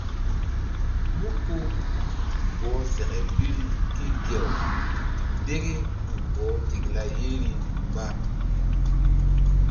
Mú ko bɔh seke biri ké gi-aw deke tu bɔh tikla yeri mba.